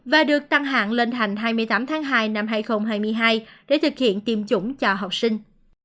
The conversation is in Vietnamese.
và được tăng hạng lên thành hai mươi tám tháng hai năm hai nghìn hai mươi hai để thực hiện tiêm chủng cho học sinh